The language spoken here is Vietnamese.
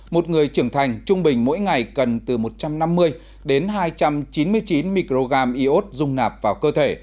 một người trưởng thành trung bình mỗi ngày cần từ một trăm năm mươi đến hai trăm chín mươi chín microgram iốt dung nạp vào cơ thể